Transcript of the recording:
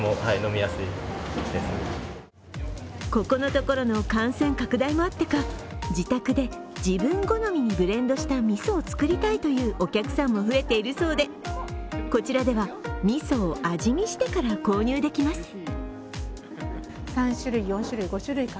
ここのところの感染拡大もあってか自宅で自分好みにブレンドしたみそを作りたいというお客さんも増えているそうで、こちらではみそを味見してから購入できます。